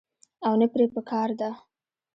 او نۀ پرې پکار ده -